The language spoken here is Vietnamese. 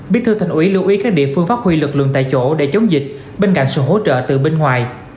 bí thư thành ủy lưu ý các địa phương phát huy lực lượng tại chỗ để chống dịch bên cạnh sự hỗ trợ từ bên ngoài